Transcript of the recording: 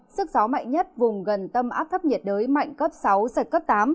sức gió mạnh nhất vùng gần tâm áp thấp nhiệt đới mạnh cấp sáu giật cấp tám